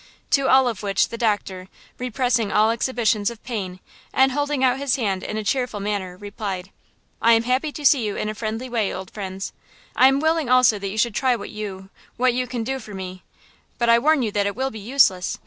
To all of which the doctor, repressing all exhibitions of pain and holding out his hand in a cheerful manner, replied: "I am happy to see you in a friendly way, old friends! I am willing also that you should try what you–what you can do for me–but I warn you that it will be useless!